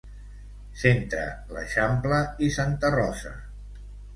Centre, l'Eixample, i Santa Rosa.